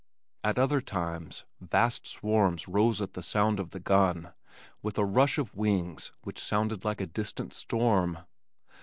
At other times vast swarms rose at the sound of the gun with a rush of wings which sounded like a distant storm.